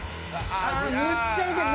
めっちゃ見てる！